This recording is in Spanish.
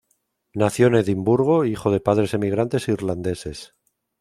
Nació en Edimburgo, hijo de padres emigrantes irlandeses.